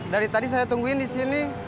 dari tadi saya tungguin di sini